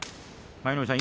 舞の海さん